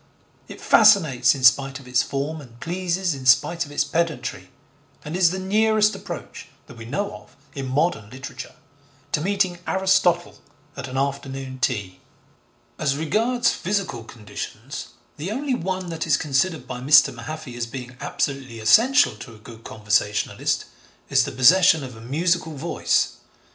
It fascinates in spite of its form and pleases in spite of its pedantry, and is the nearest approach, that we know of, in modern literature to meeting Aristotle at an afternoon tea. As regards physical conditions, the only one that is considered by Mr. Mahaffy as being absolutely essential to a good conversationalist, is the possession of a musical voice.